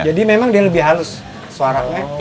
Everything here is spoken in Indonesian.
jadi memang dia lebih halus suaranya